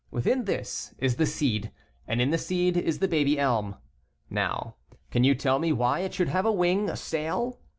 Within this is the seed, and in the seed is the baby elm. Now, can you tell me why it should have a wing, a sail